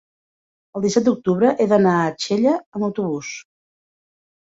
El disset d'octubre he d'anar a Xella amb autobús.